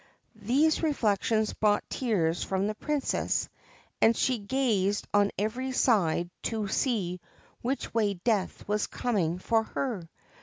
' These reflections brought tears from the Princess, and she gazed on every side to see which way death was coming for her.